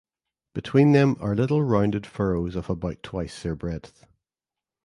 Between them are little rounded furrows of about twice their breadth.